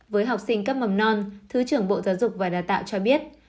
với học sinh cấp mầm non thứ trưởng bộ giáo dục và đào tạo cho biết